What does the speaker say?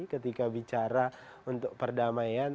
ketika bicara untuk perdamaian